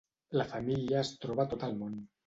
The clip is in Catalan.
La família es troba a tot el món.